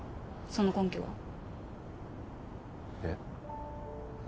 その根拠は？えっ？